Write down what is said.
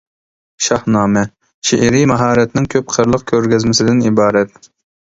«شاھنامە» شېئىرىي ماھارەتنىڭ كۆپ قىرلىق كۆرگەزمىسىدىن ئىبارەت.